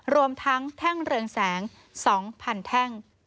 รวมทั้งแท่งเรืองแสง๒๐๐แท่ง